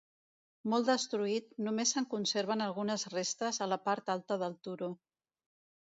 Molt destruït, només se'n conserven algunes restes a la part alta del turó.